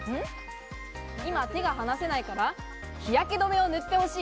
今、手が離せないから、日焼け止めを塗ってほしい？